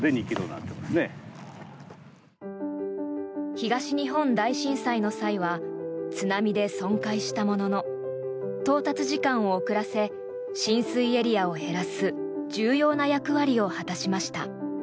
東日本大震災の際は津波で損壊したものの到達時間を遅らせ浸水エリアを減らす重要な役割を果たしました。